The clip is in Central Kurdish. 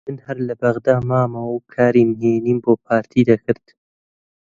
من هەر لە بەغدا مامەوە و کاری نهێنیم بۆ پارتی دەکرد